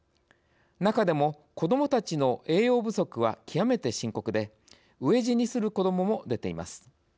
中でも子どもたちの栄養不足は極めて深刻で飢え死にする子どもも出ています。